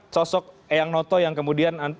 sosok eyang noto yang kemudian